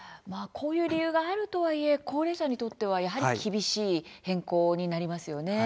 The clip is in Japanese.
こういう理由があるとはいえ高齢者にとってはやはり厳しい変更になりますよね。